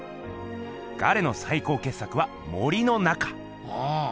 ガレの最高けっ作は森の中！